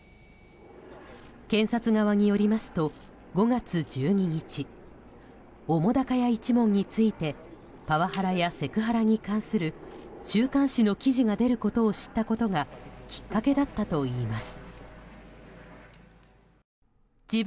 検察側によりますと５月１２日、澤瀉屋一門についてパワハラやセクハラに関する週刊誌の記事が出ることを知ったことがきっかけだったといいます。